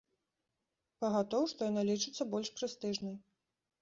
Пагатоў што яна лічыцца больш прэстыжнай.